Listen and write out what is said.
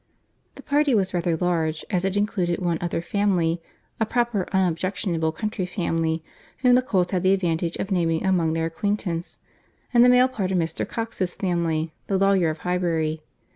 The party was rather large, as it included one other family, a proper unobjectionable country family, whom the Coles had the advantage of naming among their acquaintance, and the male part of Mr. Cox's family, the lawyer of Highbury.